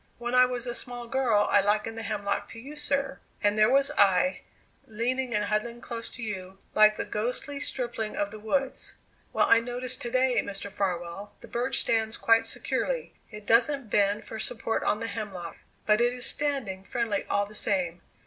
When I was a small girl I likened the hemlock to you, sir, and there was I, leaning and huddling close to you, like the ghostly stripling of the woods. Well, I noticed to day, Mr. Farwell, the birch stands quite securely; it doesn't bend for support on the hemlock, but it is standing friendly all the same.